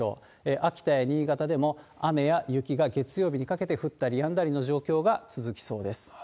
秋田や新潟でも雨や雪が月曜日にかけて降ったりやんだりの状況が続きそうです。